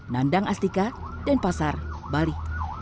nandang astika denpasar bali